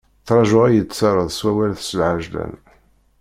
Ttrajuɣ ad iyi-d-terreḍ s wawal s lɛejlan.